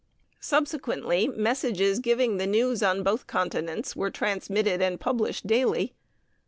Subsequently messages giving the news on both continents were transmitted and published daily.